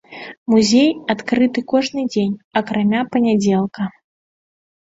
Музей адкрыты кожны дзень акрамя панядзелка.